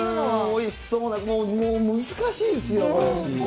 おいしそうな、難しいですよ。